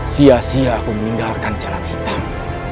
sia sia aku meninggalkan jalan hitam